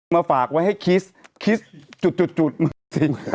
มาฝากไว้ให้คิสคิสนึกสิง